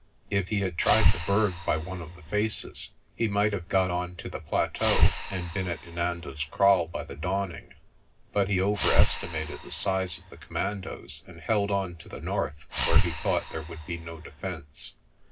If he had tried the Berg by one of the faces he might have got on to the plateau and been at Inanda's Kraal by the dawning. But he overestimated the size of the commandoes and held on to the north where he thought there would be no defence.